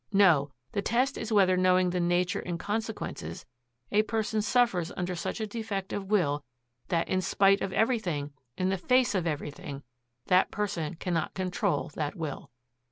No; the test is whether knowing the nature and consequences, a person suffers under such a defect of will that in spite of everything, in the face of everything, that person cannot control that will."